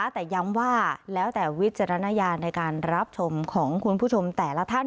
แต่ย้ำว่าแล้วแต่วิจารณญาณในการรับชมของคุณผู้ชมแต่ละท่าน